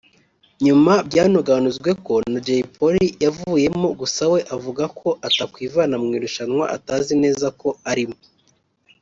nyuma byanuganuzwe ko na Jay Polly yavuyemo gusa we avuga ko ‘atakwivana mu irushanwa atazi neza ko arimo’